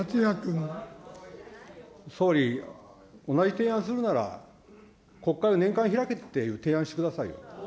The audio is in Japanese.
総理、同じ提案するなら、国会を年間開けっていう提案してくださいよ。